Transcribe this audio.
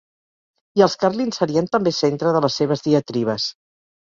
I els carlins serien també centre de les seves diatribes.